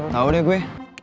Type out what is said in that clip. tau deh gue